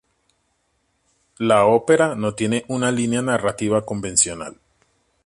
La ópera no tiene una línea narrativa convencional.